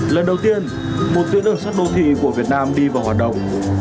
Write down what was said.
lần đầu tiên một tuyến đường sắt đô thị của việt nam đi vào hoạt động